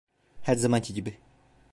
Her zamanki gibi.